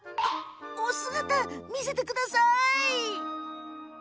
お姿見せてください！